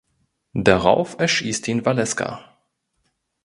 Darauf erschießt ihn Valeska.